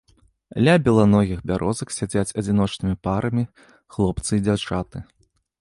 Ля беланогіх бярозак сядзяць адзіночнымі парамі хлопцы і дзяўчаты.